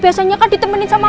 pertama kali advertising kamu